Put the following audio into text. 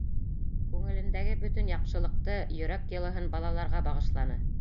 Күңелендәге бөтөн яҡшылыҡты, йөрәк йылыһын балаларға бағышланы.